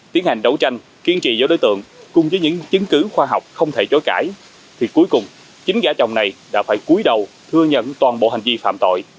thì cuối cùng chính gã chồng này đã phải cuối đầu thừa nhận toàn bộ hành vi phạm tội